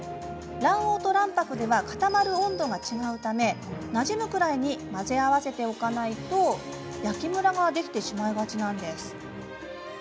卵黄と卵白では固まる温度が違うためなじむくらいに混ぜ合わせておかないと焼きムラができてしまいがちなんです。